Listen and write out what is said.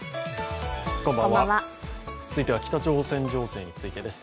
続いては北朝鮮情勢についてです。